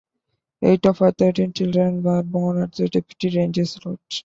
Eight of her thirteen children were born at the deputy ranger's lodge.